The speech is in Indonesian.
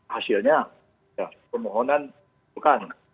hasilnya permohonan bukan